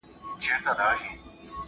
علمي پوهه بايد په عمل کې وکارول سي.